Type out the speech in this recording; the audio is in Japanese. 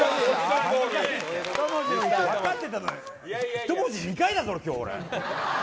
１文字、２回だぞ今日俺。